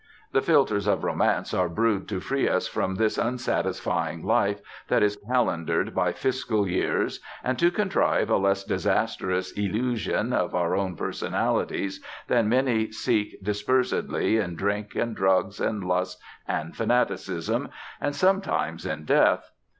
The philtres of romance are brewed to free us from this unsatisfying life that is calendared by fiscal years, and to contrive a less disastrous elusion of our own personalities than many seek dispersedly in drink and drugs and lust and fanaticism, and sometimes in death.